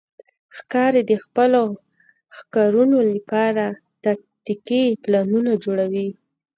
ښکاري د خپلو ښکارونو لپاره تاکتیکي پلانونه جوړوي.